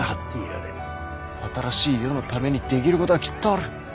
新しい世のためにできることはきっとある。